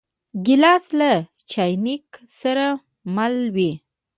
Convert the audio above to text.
ګیلاس له چاینک سره مل وي.